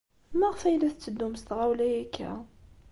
Maɣef ay la tetteddum s tɣawla akka?